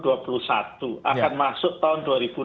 akan masuk tahun dua ribu dua puluh